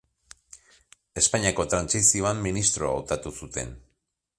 Espainiako trantsizioan ministro hautatu zuten.